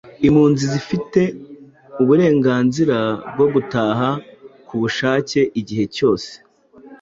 Impunzi zifite uburenganzira bwo gutaha ku bushake igihe cyose.